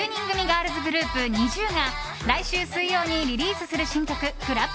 ガールズグループＮｉｚｉＵが来週水曜にリリースする新作「ＣＬＡＰＣＬＡＰ」。